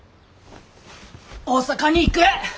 大阪に行く！